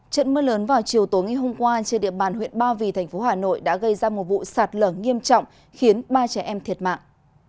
trận mưa lớn vào chiều tối ngày hôm qua trên địa bàn huyện ba vì thành phố hà nội đã gây ra một vụ sạt lở nghiêm trọng khiến ba trẻ em thiệt mạng